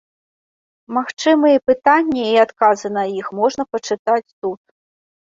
Магчымыя пытанні і адказы на іх можна пачытаць тут.